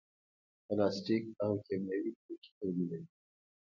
پلاستیک او کیمیاوي توکي تولیدوي.